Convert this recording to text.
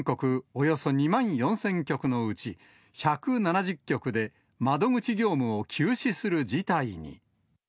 およそ２万４０００局のうち、１７０局で窓口業務を休止する事態に。